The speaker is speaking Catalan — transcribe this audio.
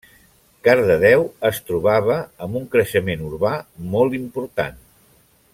Cardedeu es trobava amb un creixement urbà molt important.